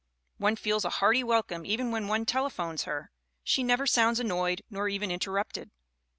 One feels a hearty welcome even when one telephones her. She never sounds annoyed, nor even interrupted."